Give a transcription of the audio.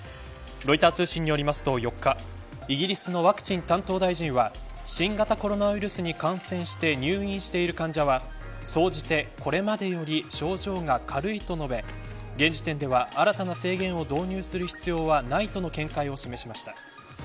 ロイター通信によりますと４日イギリスのワクチン担当大臣は新型コロナウイルスに感染して入院している患者は総じて、これまでより症状が軽いと述べ現時点では、新たな制限を導入する必要ないとの見解を示しました。